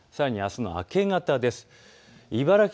さらにあすの明け方です。